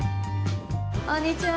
こんにちは。